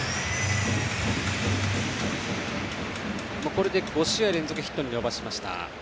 これで５試合連続ヒットに伸ばしました。